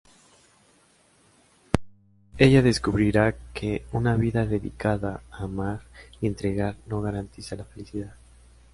Ella descubrirá que una vida dedicada a amar y entregar no garantiza la felicidad.